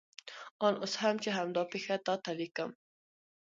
آن اوس هم چې همدا پېښه تا ته لیکم.